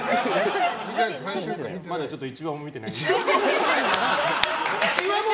まだ１話も見てないんで。